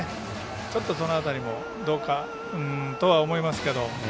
ちょっとその辺りもどうかとは思いますけど。